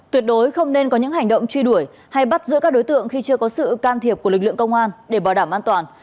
tuyệt đối không nên có những hành động truy đuổi hay bắt giữ các đối tượng khi chưa có sự can thiệp của lực lượng công an để bảo đảm an toàn